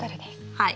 はい。